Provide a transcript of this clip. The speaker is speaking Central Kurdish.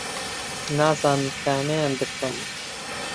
نازانم کامیان بکڕم.